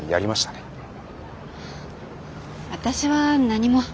私は何も。